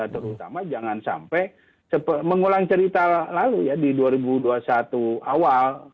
terutama jangan sampai mengulang cerita lalu ya di dua ribu dua puluh satu awal